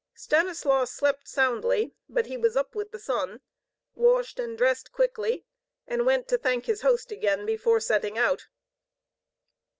Stanislaus slept soundly. But he was up with the sun, washed and dressed quickly, and went to thank his host again before setting out.